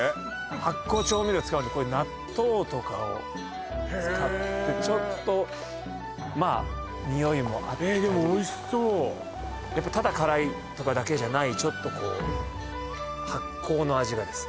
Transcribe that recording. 発酵調味料使うんでこれ納豆とかをへえっ使ってちょっとまあにおいもあったりえっでもおいしそうやっぱただ辛いとかだけじゃないちょっとこう発酵の味がです